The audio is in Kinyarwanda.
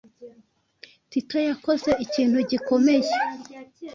Tito yakoze ikintu gikomeye.